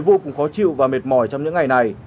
vô cùng khó chịu và mệt mỏi trong những ngày này